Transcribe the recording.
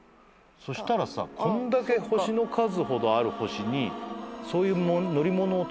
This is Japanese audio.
そしたらさこんだけ星の数ほどある星にそういう乗り物を造ってる。